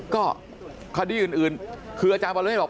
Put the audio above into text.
ก็คดีอื่นคืออาจารย์วรเศษบอก